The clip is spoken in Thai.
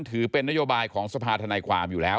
ถือเป็นนโยบายของสภาธนายความอยู่แล้ว